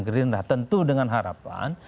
gerindra tentu dengan harapan